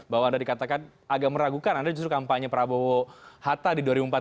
bahwa anda dikatakan agak meragukan anda justru kampanye prabowo hatta di dua ribu empat belas